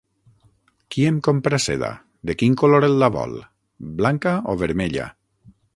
Qui em compra seda? De quin coloret la vol? Blanca o vermella?